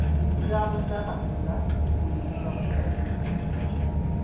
Ekigambo kya katonda kibuulirirwa mu kkanisa.